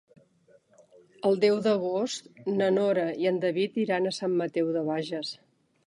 El deu d'agost na Nora i en David iran a Sant Mateu de Bages.